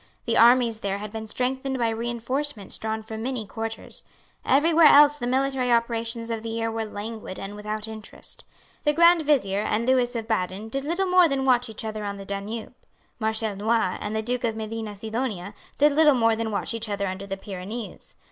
The armies there had been strengthened by reinforcements drawn from many quarters. Every where else the military operations of the year were languid and without interest. The Grand Vizier and Lewis of Baden did little more than watch each other on the Danube. Marshal Noailles and the Duke of Medina Sidonia did little more than watch each other under the Pyrenees.